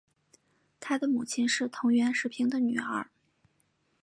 他的母亲是藤原时平的女儿。